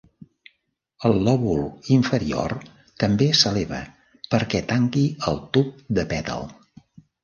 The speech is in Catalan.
El lòbul inferior també s'eleva perquè tanqui el tub de pètal.